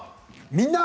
「みんな！